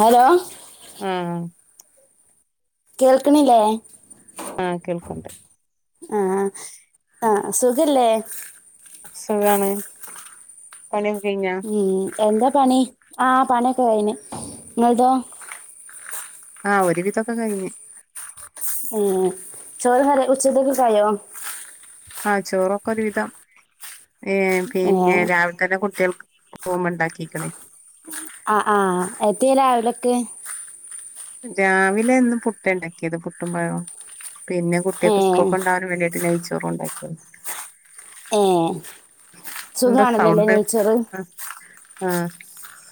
Hello ആഹ് കേൾക്കണില്ലേ ആഹ് കേൾക്കണ്ട് ആഹ് ആഹ് ആ സുഖല്ലേ സുഖാണ് പണിയൊക്കെ കയിഞ്ഞോ ഉം എന്താ പണി ആഹ് പണിയൊക്കെ കയിഞ്ഞ് ഇങ്ങളതോ ആഹ് ഒരു വിധൊക്കെ കഴിഞ്ഞ് മ്മ് ചോറ് കറീം ഉച്ചത്തെക്കൊക്കെയായോ ആഹ് ചോറൊക്കെ ഒരു വിധം ഏഹ് ഏ പിന്നെ രാവിലെ തന്നെ കുട്ടികൾക്ക് പോവുമ്പോണ്ടാക്കിക്കണ് ആഹ് ആഹ് എത്തീല അവലൊക്കെ രാവിലെ ഇന്ന് പുട്ട് ഉണ്ടാക്കിയത് പുട്ടും പഴോം പിന്നെ ഏ കുട്ടികൾക്ക് സ്‌കൂളിൽ കൊണ്ടാകാന് വേണ്ടിയിട്ട് നെയിച്ചോ റുണ്ടാക്കിയത് ഏഹ് എന്താ സുഖമാണല്ലോല്ലേ സൗണ്ട് നെയ്ച്ചോറ് ആഹ് ആഹ്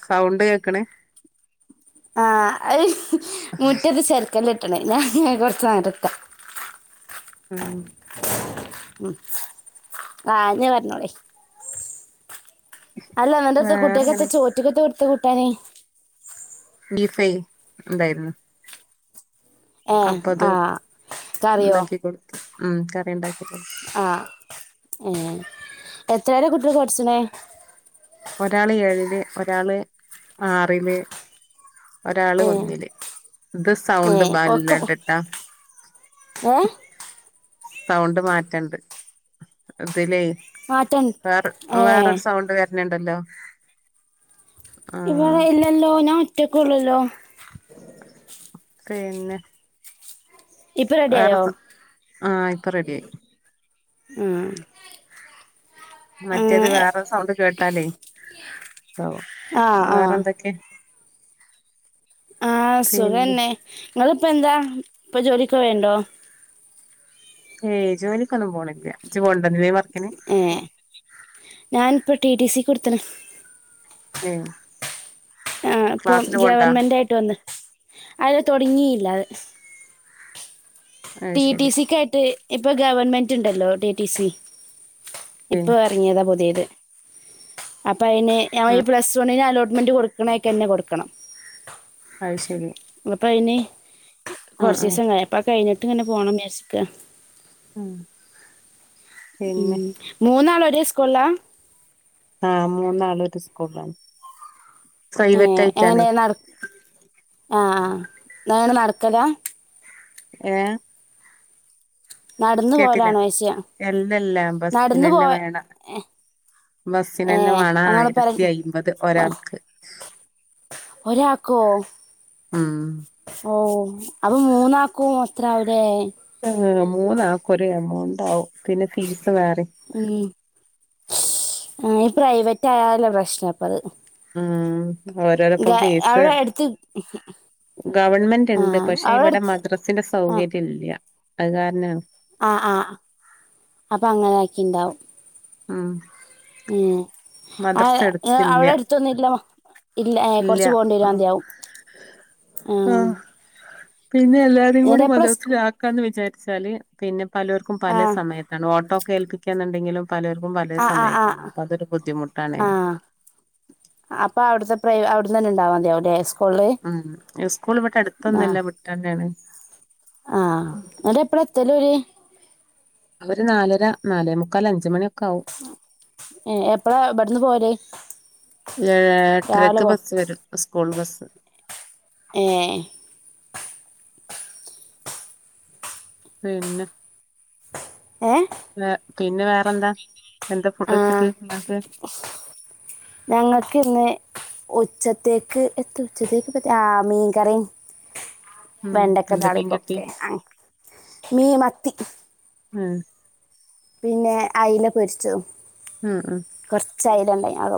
സൗണ്ട് കേൾക്കണേ ആഹ് മുറ്റത്ത് ചെർക്കല്ല് ലാണ് ഞാൻ കൊറച്ച് നേരത്തെ മ്മ് ഹ് മ്മ് ആഹ് ഇനി പറഞ്ഞോളീ അല്ല വേറെങ്ങനെ [unintelligible] പനി ബീഫൈ ഉണ്ടായിരുന്നു ഏ അപ്പൊ അത് ആ കറിയോ ഉണ്ടാക്കി കൊടുത്ത് മ്മ് കറി ഇണ്ടാക്കി കൊടു ആഹ് ഏഹ് എത്രയലെ കുട്ടികൾ പടിച്ചണേ ഒരാള് ഏഴില് ഒരാള് ആറില് ഒരാള് ഏ ഒന്നില് ഇത് ഏ സൗണ്ട് ഒക്കെ ബല്ലാണ്ടട്ടാ ഏ സൗണ്ട് മാറ്റണ്ട് അതിലേ മാറ്റൻ വേറെ ഏ വേറൊരു സൗണ്ട് വേറെ പിന്നെണ്ടല്ലോ ഇവിടെ ഇല്ലെല്ലോ ഞാ ഒറ്റക്കെ ഉള്ളല്ലോ പിന്നെ ഇപ്പൊ വേറെ റെഡിയായോ ആഹ് ഇപ്പൊ റെഡി ആയി ഉം മറ്റേത് ഏ വേറെ സൗണ്ട് കേട്ട് ട്ടാലേ ഓ ആ ആ വേറെ എന്തൊക്കെ ആഹ് പിന്നെ സുഖന്നെ ഇങ്ങള് ഇപ്പ എന്താ ഇപ്പൊ ജോലിക്ക് പോയണ്ടോ ഏയ് ജോലിക്ക് ഒന്നും പോണില്ല [unintelligible] ഏഹ് ഞാൻ ഇപ്പൊ ടി ടി സി കൊടുത്തേക്കണ് ഏഹ് ആ ഇപ്പൊ ക്ലാസ്സിന് പോണ്ടാ ഗവൺമെൻ്റായിട്ട് വന്ന് അതില് തുടങ്ങിയില്ല അത് അത് ടി ടി ശരി സി ക്കായിട്ട് ഇപ്പൊ ഗവൺമെന്റ് ഉണ്ടല്ലോ ടി ടി സി ഏഹ് ഇപ്പൊ ഇറങ്ങിയതാ പുതിയത് ഇപ്പ അതിന് അവര് ആഹ് പ്ലസ് വണ്ണിന് അലോട്ട് ഗവൺമെൻ്റ് കൊടുക്കണയ്ക്ക തന്നെ കൊടുക്കണം അത് ശരി അപ്പൊ അതിന് ആഹ് കുറച്ച് ആഹ് ദിവസം കൈഞ്ഞപ്പ കൈഞ്ഞട്ട് ട്ട് എങ്ങനെ പോണം [unintelligible] ഉം പിന്നെ ഉം മൂന്നാള് ഒ ഒരേ സ്കൂളിലാ ആ മൂന്നാള് ഒരു സ്കൂളിലാണ് പ്രൈവറ്റ് ഏഹ് ആയിട്ടാണ് എങ്ങനെയ നട ആ ആ എന്താണ് നടക്കലാ ഏഹ് നടന്നു കേട്ടില്ല പോലാണോ ചോദിച്ചയാ അല്ലല്ലാ ബസ്സിന് നടന്നു പോ തന്നെ വേണം ബസ്സിന് ഏ തന്നെ വേണം ഞങ്ങള് പെര ആയിരത്തി അയിമ്പത് ഒരാൾക്ക് ഒരാക്കോ ഉം ഓ അപ്പ മൂന്നാക്കും അത്ര ആവൂലെ ആ മൂന്നാക്കും ഒരേ എമൗൺണ്ടാവും പിന്നെ ഫീസ് സ് വേറെയും ആഹ് ഈ പ്രൈവറ്റ് ആയാല പ്രശ്നം അപ്പ അത് ഉം ഗ ഓരോരൊപ്പം ഫീസ് അവിടെ അടുത്ത് ഗവൺമെൻ്റ് ആ ഇണ്ട്. പക്ഷെ അവിടെ ഇവിടെ അടുത്ത് മദ്രസ്സസിൻ്റെ സൗകര്യം ഇല്ല. അത് കാരണാ ആ ആ അപ്പ അങ്ങനെ ആക്കി ഇണ്ടാവും. ആ മ് ആ വെ എടുത്തില്ല അവിടെ അടുത്തൊന്നുല്ല, ഇല്ല ഏ കൊർച്ച് പോണ്ടിരാൻതിയാവും ആ ആഹ് പിന്നെ ഇങ്ങട്ട് എപ്പളാ സ്‌കൂ ച്ചാല് പിന്നെ പലോർക്കും പലെ സമയത്താണ് ഓട്ടോ. ഏൽപ്പിക്കാന്ന്ണ്ടെങ്കിലും പലെർക്കും പലേ സമയത്താണ്. അപ്പ അതൊരു ആ ബുദ്ധിമുട്ടാണേനും അപ്പ അവിട്ത്തെ പ്രെയോ അവിട്ന്നെന്നേ ഇണ്ടാവാമതിയാവുലെ സ് ആ സ്കൂൾ ഇവിടെ അടുത്തൊന്നുല്ല വിട്ടന്നേണ്. ആ ന്നിട്ട് എപ്പളാ എത്തല് ഓല്? അവര് നാലര നാലേമുക്കാല് അഞ്ച്മണി ക്കാവും. എപ്പളാ ഇവിടുന്ന് പോവല് രാവിലെ എട്ടരക്ക് പോ ബസ്സ് വരും സ് കൂൾബസ്സ്. ഏ പിന്നെ ഏ പിന്നെ വേറെന്താ? എന്താ ഫുഡ് ഉച്ചക്ക് ഇങ്ങക്ക്? ഞങ്ങൾക്ക് ഇന്ന് ഉച്ചത്തേക്ക് എത്ത ഉച്ചത്തേക്ക് പറ്റ ആ മീൻ കറിം ഉം വെണ്ടക്കെ എന്താ മീൻ കിട്ടി താളിപ്പൊക്കെ ആ മീ മത്തി. ഉം പിന്നെ അയില പൊരിച്ചും. ആ അ ചൈലണ്ടാനി ആ പോ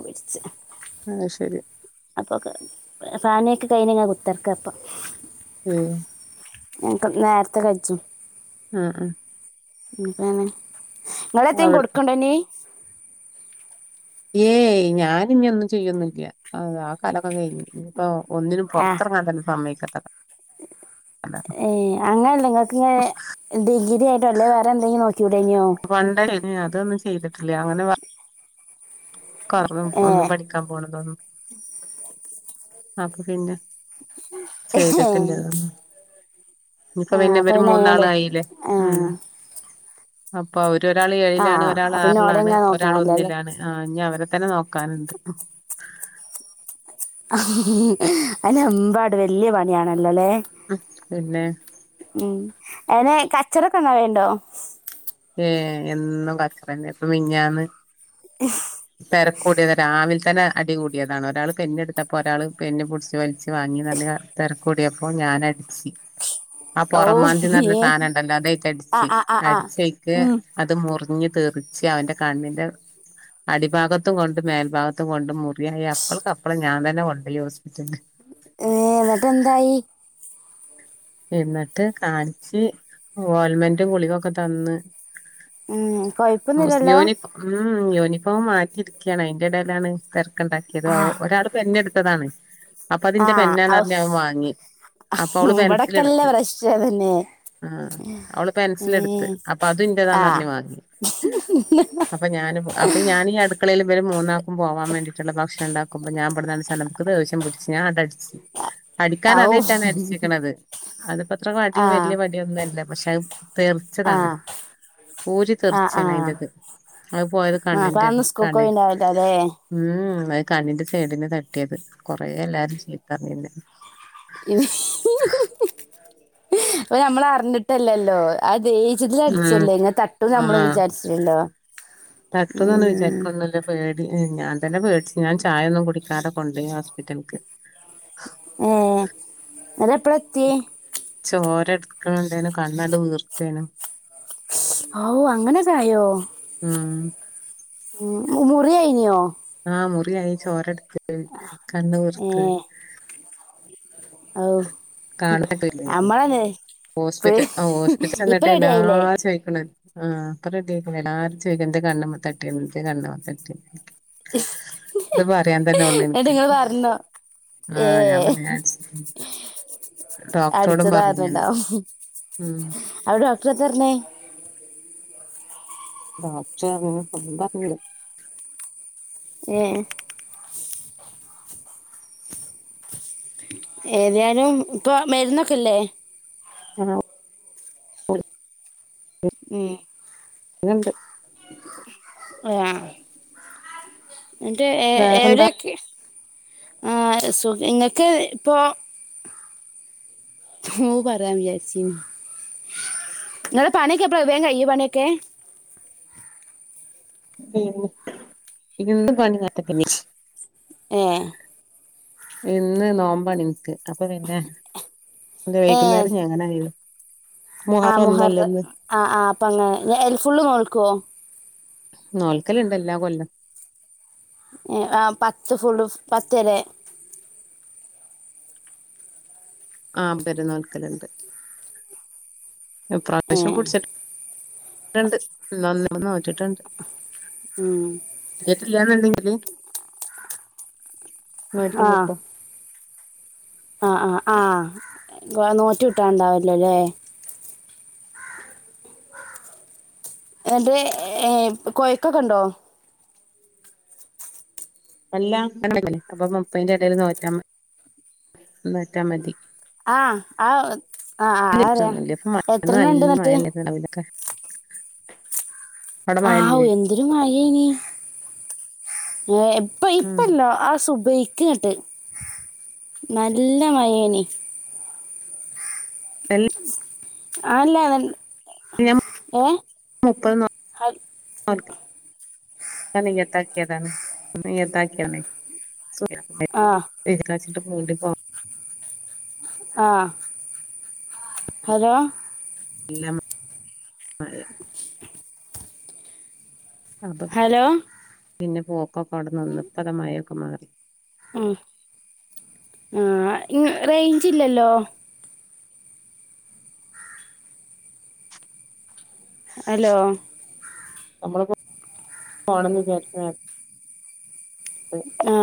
ആഹ ശരി. അപ്പോ ക്കെ ഫാനിയൊക്കെ കഴിഞ്ഞ് ങ്ങൻ കുത്തർക്ക പ്പം. ഉം. ക്ക് നേരത്തെ കഴ്‌ച്ചും. ആ അ ന്ന്പ്പങ്ങനെ. ഇങ്ങളെത്തേയും അവൾ കൊടുക്കണ്ടന്നീ? [unintelligible] ഏയ് ഞാൻ ഇനി ഒന്നും ചെയ്യന്നില്ല അത ആ കാലമൊക്കെ കഴിഞ്ഞ് ഇ ഇപ്പോ ഒന്നിനും ആ പൊറത്തിറങ്ങാൻ തന്നെ സമ്മയില്ലാ ഏ അങ്ങനല്ല. നിങ്ങക്കങ്ങനെ ഡിഗ്രി ആയിട്ടോ അല്ലെ വേറെ എന്തെങ്കിലും നോക്കിക്കൂടേനോ ഏ അതൊന്നും ചെയ്തിട്ടില്ല അങ്ങനെ [unintelligible] ഏ ഒന്നും പഠിക്കാൻ പോണതൊന്നും അപ്പൊ പിന്നെ ചെയ്തിട്ടില്ല ഉം. ഇനിക്ക് ആ പിന്നെ അപ്പം ഇവര് മൂന്നാളു അതിനാണ്ട് ആയീല്ലേ ആ ഉം അപ്പ അവര് ഒരാള് ആ ഏഴിലാണ് ഒരാള് അപ്പം പിന്നെ ഓടെ ആറിലാണ് ഇങ്ങനെ ഒരാൾ നോക്കണല്ലോ അല്ലേ ഒന്നിലാണ്. ആ ഇഞ്ഞവരെ ത്തന്നെ നോക് ക്കാന്ണ്ട് അയ്ന് എമ്പാട് വല്യ പണിയാണ് ന്നലേ പിന്നെ ഉം അങ്ങനെ കച്ചറയൊക്കെ [unintelligible] ണ്ടോ ഏഹ് എന്നും കച്ചറയന്നെയാ. ഇപ്പ മിൻഞ്ഞാന്ന് തെരക്കൂടിയതാ. രാവിൽ തന്നെ അടികൂടിയതാണ്. ഒരാള് പെന്നെടുത്തപ്പോ ഒരാള് പെന്ന് പുടിച്ച് വലിച്ച് വാങ്ങി നല്ല തെരക്കൂടിയപ്പോ ഞാനടിച്ച്. ആ ഔ പൊറമ്മാന്തീന്ന് പറഞ്ഞ ഏ സാനണ്ടല്ലോ ആ അതായിട്ടടിച്ച്. ആ ആ ആ അടിച്ചയിക്ക് ഉം അത് മുറിഞ്ഞിട് തെറിച്ച് അവന്റെ കണ്ണിന്റെ അടിഭാഗത്തും കൊണ്ടു മേൽഭാഗത്തും കൊണ്ടു മു പിയേ അപ്പളക്കപ്പളും ഞാൻ തന്നെ കൊ ണ്ടോയി ഹോസ് ഏഹ് എന്നിട്ടെന്തായി എന്നിട്ട് കാണിച്ച്, ഓയിൽമെന്റും ഗുളികൊക്കെ തന്ന്. ഉം കൊഴപ്പൊന്നു ഇല്ലല്ലോ ഇനിപ്പോ മാറ്റിയിരിക്കയാണ്. അതിന്റെടയിലാണ് തെരക്ക് ആ ക്കണ്ടാക്കിയതാവോ? ഒരാള് പെന്നെട്ത്തതാണ്. അപ്പ ആ അതിന്റെ പെന്നാന്ന് ഔ പറഞ്ഞ് അത് വാങ്ങി. അപ്പോ അവള് പെൻസി ത്തല്ല പ്രശ്നതന്നെയാ. അവള് പെൻസിലെടുത്ത് ഉം അപ്പൊ അതും ആ ഇന്റേതാന്നറിഞ്ഞ് വാങ്ങി അപ്പൊ ഞാന് അപ്പൊ ഞാൻ ഈ അടുക്കളയിൽ ഇവര് മൂന്നാക്കും പോവാൻ വേണ്ടീട്ടുള്ള ഭക്ഷണണ്ടാക് ക്കും. ഞാൻ ഇബ്ട്ന്ന് [unintelligible] ക്ക് ദേഷ്യം പിടിച്ച്. ഞാ ആട്ടടിച്ച്. അടിക്കാൻ ഔ ആദ്യായിട്ടാണ് അടിച്ചിക്കണത്. അതിപ്പോത്ര വടി ആ വല്യ വടിയൊന്നല്ല. പക്ഷെ അത് ആ തെറിച്ചതാണ്. ഊരി ആ ആ തെറിച്ചയാണ് അതിന്റത്. അത് പോയത് ആ, അപ്പൊ കണ്ണിന്റെയാണ്, അന്ന് സ്കൂൾക്ക് കണ്ണിന്. പോയിണ്ടാവില്ലല്ലേ ഉം അഹ് കണ്ണിന്റെ സൈഡിന് തട്ടിയത് കൊറേ എല്ലാരും ചീത്തറ്ഞ്ന്നെ [inaudible] പ്പൊ ഞമ്മൾ അറിഞ്ട്ടല്ലല്ലോ അതെയ് തില ഉം അട്ച്ചല്ലേ ഇങ്ങെ തട്ടു നമ്മള് ആഹ് വിചാര്ചല്ലോ തട്ടുന്നൊന്നും അന്റെ പേ ഞാൻ ചായൊന്നും കുടിക്കാടം കൊണ്ട് എട്ടണ്ക് അതെപ് ചോര മക്കളുണ്ടേനും കണ്ണാണ്ട് വീർത്തേനും ഔ അങ്ങനെതായോ ഉം മുറി ആയി ന്യോ ആ മുറിയായി ചോരെട്ത്ത് അ കണ്ണ് ഏ വീർത്ത് ഔ കാണുന്നട്ടില്ലായിരുന്നു നമ്മളന്നെ പേ ഹോസ്പിറ്റൽ ആ ഹോസ്പിറ്റൽ ഇപ്പ ചെന്ന്ട്ട് റെഡി എല്ലാ ആയില്ലേ ചോയ്ക്കണ ആഹ് പ്പ റെഡിയായിക്കണ് എല്ലാ ചോദിക്ക ന്തെ കണ്ണ്മ്മെതട്ട്യേന്തെകണ്ണമ്മ തട്ടി ത് പറയാൻ തന്നെ ഉള്ളു എന്നിട്ട് ഇൻക്ക് ഇങ്ങള് പറഞ്ഞോ ആ ഏ ഞാൻ പർഞ്ഞ് ഞാ അട് അടിച്ചതാരണ് ണ്ടാവും ഉം അപ ഡോക്ടറെത്തർഞ്ഞേ ഡോക്ടർഞ്ഞ് [unintelligible] ഏഹ് ഏത്യാലും ഇപ്പൊ മരുന്നൊക്കെല്ലേ ആഹ് ഉം [unintelligible] ണ്ട് ഏഹ് ന്ന്ട്ട് ഏ വേറെന്താ [unintelligible] ആ സുഖം ഇങ്ങക്ക് ഇപ്പൊ തോപറയാം വിചാരിച്ചീനി നിങ്ങളെ പണിയൊക്കെ എപ്പഴാ വേം കയ്യോ പണിയൊക്കെ [unintelligible] ഏഹ് ഇന്ന് നോമ്പാണിൻക്ക് അപ്പൊ പിന്നെ വൈകുന്നേരം ഞങ്ങനെയാര് ആഹ് മുഹർ ആഹ് ആഹ് അപ്പങ്ങനെ എ എൽ ഫുള്ള് നോൾക്കോ നോൽക്കലണ്ട് എല്ലാ കൊല്ലം ഏ ആ പത്ത് ഫുള് പത്തരെ ആ ഇബ്ടൊരു നോൽക്കലുണ്ട് ഏ ഇപ്രാവശ്യം പുടിച്ചി ട്ടുണ്ട് ഇന്നോന്നാള് നോറ്റിട്ടുണ്ട് ഉം ല്ലാന്നെണ്ടങ്കില് നൊയറ്റ് ആ വീർത്തോ ആ ആ ആ നോറ്റി വീട്ടാണ്ടാവലോല്ലേ എടി ഏ കൊയക്കക്ക ഉണ്ടോ എല്ലാം [unintelligible] എടേല് നോറ്റാമ നൂറ്റാമതി ആ ആ ആ ആ അറിയാം ഒന്നുല്ല ഇപ്പ മഴ എത്രണ്ണം ഉണ്ട് നല്ല എന്നിട്ട് മഴല്ലായിരുന്നോ അവിടെ മഴല്ലേ ആവു എന്തൊരു മഴയെനീ ഏ ഇപ്പോയ് ഉം ഇപ്പം അല്ലാ ആ സുബേ ക്ക്ട്ട് നല്ല മഴയെനി എല്ലാം ആ അല്ലാ ഞാൻ യെ മുപ്പത് അ ഞാൻ നിയ്യത്താക്കിയതാണ് നിയ്യത്താക്കിയാന്നെ [unintelligible] ആ ഏത് ക്ലാസി അപ്പോണ്ടിപ്പോ ആ ഹലോ ഇല്ലം മഴയാ അപ്പൊ ഹലോ പിന്നെ പോ ഒക്കെ അവട്ന്ന് വന്ന് ഇപ്പതാ മഴ ഇപ്പം മഴ ഉം ആ ആ ഇങ്ങ് റേഞ്ച് ഇല്ലല്ലോ ഹലോ നമ്മള് ഇപ്പോപോണന്ന് വിചാരിച്ചതാ ആ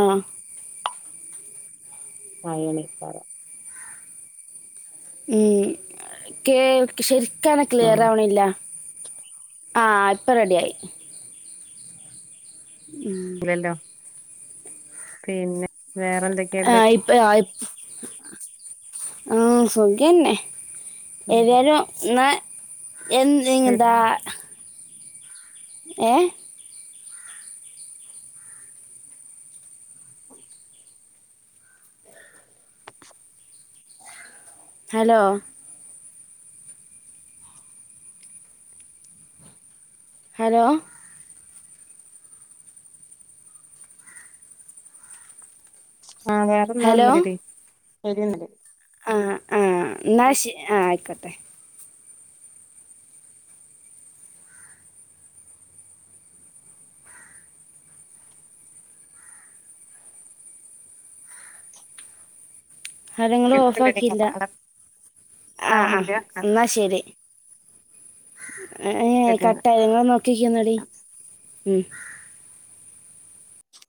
മഴയാണേ ക്കാരം ഉം ക്കേൾക് ശെരി ക്കാണേ ക്ലിയർ ആഹ് ആവണില്ല ആ ഇപ്പം റെഡിയായി ഇല്ലല്ലോ പിന്നെ വേറെ ആ എന്തൊക്കെയുണ്ട് ഇപ്പം ആ ഇപ്പ ആ സുഖെന്നെ ഉം ഏതായാലും ന്ന് എൻ എങ്ങ് ശരി ഇതാ ഏ ഹലോ ഹലോ ആ വേറെന്താ ഹലോ ഒന്നുല്ലടി ശരിയെന്നില് ആ ആ ന്നാ ശ ആ ആയിക്കട്ടെ ഹരങ്ങളും ഓഫ് കേൾക്ക്ണ്ടടി ആക്കിയില്ല ആ ആ കട്ടാവണില്ല ഇന്നാ ശരി ഏ ശരി കട്ട എന്നാ ഇങ്ങള് നോക്കിക്കുഒന്നുടി